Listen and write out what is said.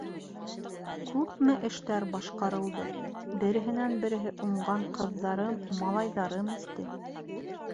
Күпме эштәр башҡарылды, береһенән-береһе уңған ҡыҙҙарым, малайҙарым үҫте.